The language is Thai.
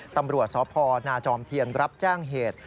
ตำรวจสพนาจอมเทียนรับแจ้งเหตุ